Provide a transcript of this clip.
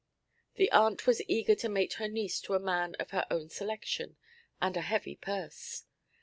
The aunt was eager to mate her niece to a man of her own selection and a heavy purse.